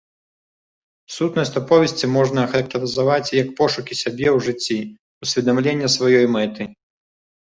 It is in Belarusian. Сутнасць аповесці можна ахарактарызаваць як пошукі сябе ў жыцці, усведамленне сваёй мэты.